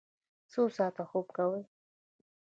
څو ساعته خوب کوئ؟